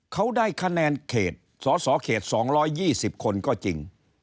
เขาได้คะแนนเขตสสเขต๒๒๐คนก็จริง